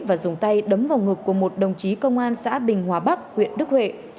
và dùng tay đấm vào ngực của một đồng chí công an xã bình hòa bắc huyện đức huệ